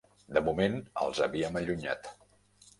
De moment, els havíem allunyat.